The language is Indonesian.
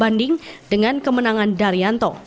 banding dengan kemenangan daryanto